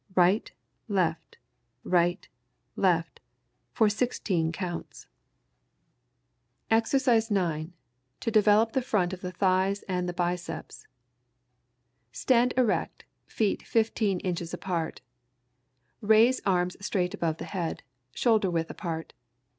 Right, left, right, left, for sixteen counts. [Illustration: EXERCISE 9. To develop the front of the thighs and the biceps.] Stand erect, feet fifteen inches apart. Raise arms straight above the head, shoulder width apart.